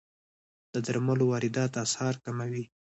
د درملو واردات اسعار کموي.